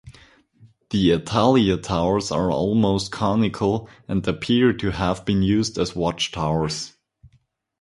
The Atalaya towers are almost conical and appear to have been used as watchtowers.